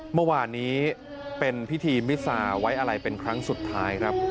เมื่อวานนี้เป็นพิธีมิซาไว้อะไรเป็นครั้งสุดท้ายครับ